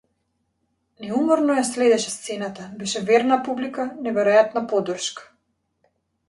Неуморно ја следеше сцената, беше верна публика, неверојатна поддршка.